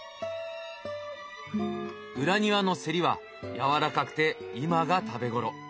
裏庭のセリはやわらかくて今が食べ頃。